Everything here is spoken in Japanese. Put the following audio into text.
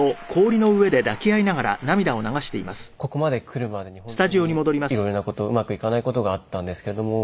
ここまで来るまでに本当に色々な事うまくいかない事があったんですけれども。